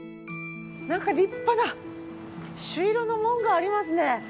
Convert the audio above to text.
なんか立派な朱色の門がありますね。